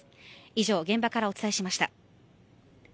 以上、現場からお伝えしました。